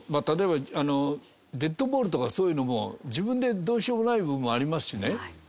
例えばデッドボールとかそういうのも自分でどうしようもない部分もありますしね。